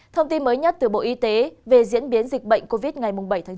thông tin mới nhất từ bộ y tế về diễn biến dịch bệnh covid ngày bảy chín